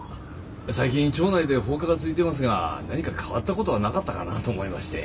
最近町内で放火が続いていますが何か変わった事はなかったかなと思いまして。